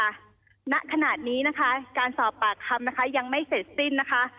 นในขณะนี้ค้าการสอบปากคำยังไม่เสร็จสิ้นนะคะ